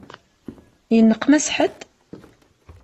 Yenneqmas ḥedd?